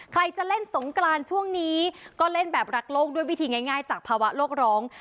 ใครจะเล่นสงกรานช่วงนี้ก็เล่นแบบรักโลกด้วยวิธีง่ายจากภาวะโลกร้อง